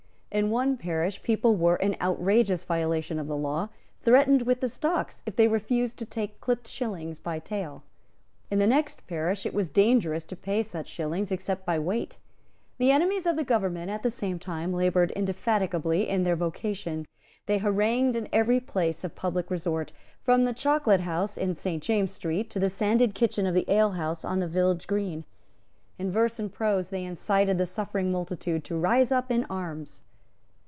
In one parish people were, in outrageous violation of the law, threatened with the stocks, if they refused to take clipped shillings by tale. In the next parish it was dangerous to pay such shillings except by weight. The enemies of the government, at the same time, laboured indefatigably in their vocation. They harangued in every place of public resort, from the Chocolate House in Saint James's Street to the sanded kitchen of the alehouse on the village green. In verse and prose they incited the suffering multitude to rise up in arms.